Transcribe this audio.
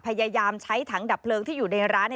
พยายามใช้ถังดับเพลิงที่อยู่ในร้าน